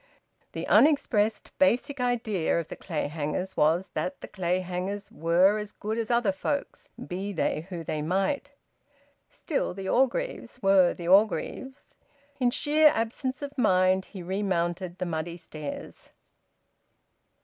The unexpressed basic idea of the Clayhangers was that the Clayhangers were as good as other folks, be they who they might. Still, the Orgreaves were the Orgreaves... In sheer absence of mind he remounted the muddy stairs.